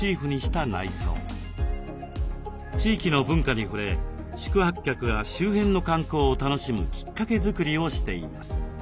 地域の文化に触れ宿泊客が周辺の観光を楽しむきっかけ作りをしています。